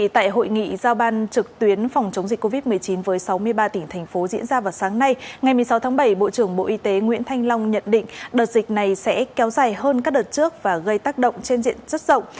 tại hội nghị giao ban trực tuyến phòng chống dịch covid một mươi chín với sáu mươi ba tỉnh thành phố diễn ra vào sáng nay ngày một mươi sáu tháng bảy bộ trưởng bộ y tế nguyễn thanh long nhận định đợt dịch này sẽ kéo dài hơn các đợt trước và gây tác động trên diện rất rộng